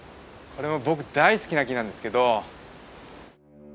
これも僕大好きな木なんですけど。